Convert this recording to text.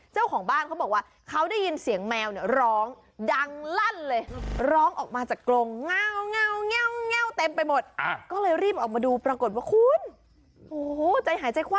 เจ้าของบ้านเขาบอกว่าเขาได้ยินเสียงแมว